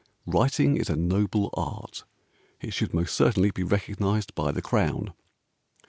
WRITING IS A NOBLE ART, IT SHOULD MOST CERTAINLY BE RECOGNISED BY THE CROWN.